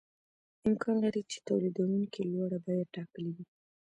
امکان لري چې تولیدونکي لوړه بیه ټاکلې وي